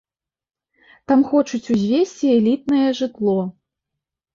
Там хочуць узвесці элітнае жытло.